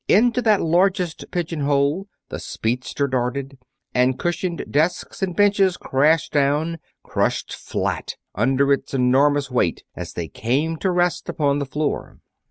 Into that largest pigeon hole the speedster darted, and cushioned desks and benches crashed down; crushed flat under its enormous weight as it came to rest upon the floor.